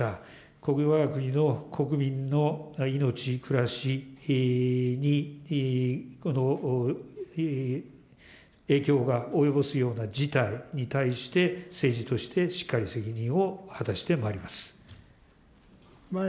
これはわが国の国民の命、暮らしに影響が及ぼすような事態に対して、政治としてしっかり責任を果たしてまいります。